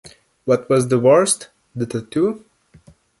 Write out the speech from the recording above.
What was the worst? The tattoo?